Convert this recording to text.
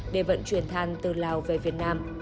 để vận chuyển than từ lào về việt nam